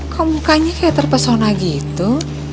kok mukanya kayak terpesona gitu